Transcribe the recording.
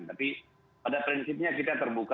tapi pada prinsipnya kita terbuka